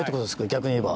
逆にいえば。